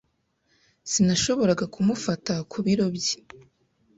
Sinashoboraga kumufata ku biro bye.